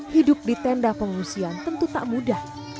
hidup di tenda pengungsian tentu tak mudah